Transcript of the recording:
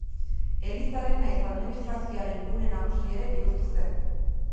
Elizaren nahiz administrazioaren gune nagusi ere bihurtu zen.